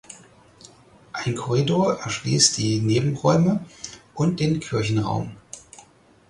Ein Korridor erschliesst die Nebenräume und den Kirchenraum.